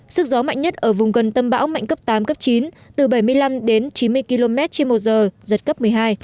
sức gió mạnh nhất ở vùng gần tâm bão mạnh cấp tám cấp chín từ bảy mươi năm đến chín mươi km trên một giờ giật cấp một mươi hai